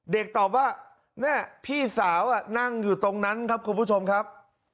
ตอบว่าเนี่ยพี่สาวนั่งอยู่ตรงนั้นครับคุณผู้ชมครับ